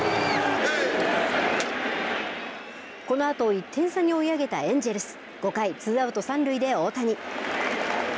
このあと、一点差に追い上げたエンジェルス５回ツーアウト三塁で大谷。